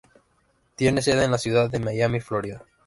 Tiene sede en la ciudad de Miami, Florida.